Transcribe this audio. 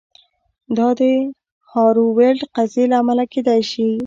دا د هارو ویلډ قضیې له امله کیدای شي